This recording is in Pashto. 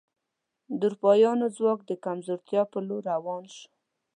د اروپایانو ځواک د کمزورتیا په لور روان شو.